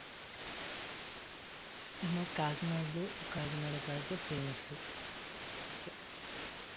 Its restaurant, Lemaire, has a theme of alligator motifs.